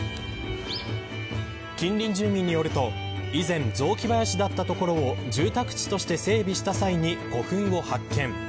近隣住民によると、以前雑木林だった所を住宅地として整備した際に古墳を発見。